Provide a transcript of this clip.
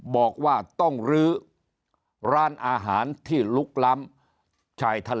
บอกว่าต้องรื้อร้านอาหารที่ลุกล้ำ